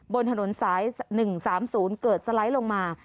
บนถนนสาย๑๓๐เกิดสไลด์ลงมา